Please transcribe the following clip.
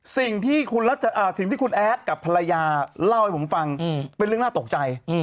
สิ่งที่คุณแอดกับภรรยาเล่าให้ผมฟังเป็นเรื่องน่าตกใจ